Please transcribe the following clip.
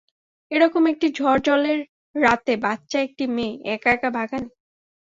এ-রকম একটি ঝড়-জলের রাতে বাচ্চা একটি মেয়ে এক-একা বাগানে।